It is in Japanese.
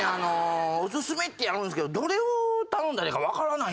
オススメってあるんですけどどれを頼んだらいいかわからない。